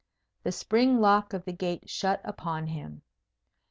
The spring lock of the gate shut upon him.